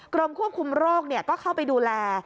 กรมควบคุมโรคก็เข้าไปดูแล